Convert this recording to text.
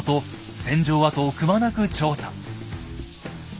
戦場跡をくまなく調査。